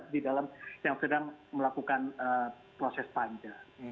di dalam yang sedang melakukan proses panjang